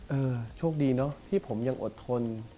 โชคดีเนอะที่ผมยังอดทน